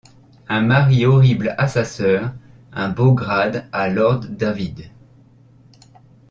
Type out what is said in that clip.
Un mari horrible à sa sœur, un beau grade à lord David.